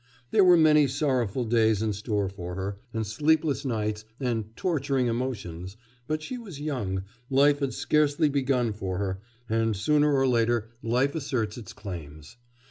There were many sorrowful days in store for her, and sleepless nights and torturing emotions; but she was young life had scarcely begun for her, and sooner or later life asserts its claims.